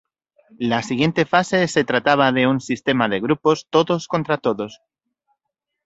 La siguiente fase se trataba de un sistema de grupos todos contra todos.